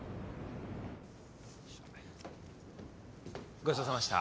ごちそうさまでした。